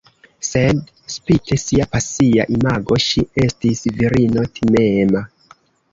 Sed spite sia pasia imago, ŝi estis virino timema.